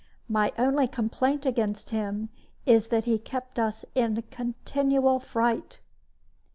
My only complaint against him is that he kept us in a continual fright.